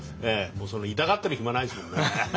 痛がってる暇ないですもんね。